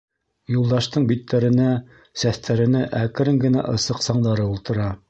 Юлдаштың биттәренә, сәстәренә әкрен генә ысыҡ саңдары ултыра.